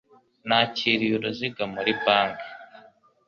Nakiriye uruziga muri banki.